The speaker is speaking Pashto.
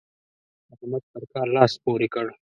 احمد پر کار لاس پورې کړ.